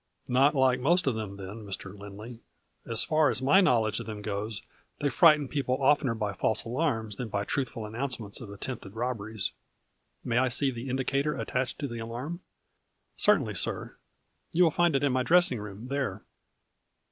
" Not like most of them, then, Mr. Lindley As far as my knowledge of them goes they frighten people oftener by false alarms than by truthful announcements of attempted robberies. May I see the indicator attached to the alarm ?"" Certainly, sir. You will find it in my dress ing room there."